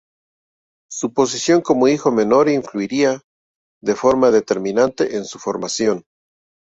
Su posición como hijo menor influiría de forma determinante en su formación.